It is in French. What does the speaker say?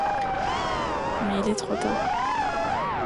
Mais il était trop tard